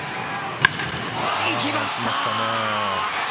いきました。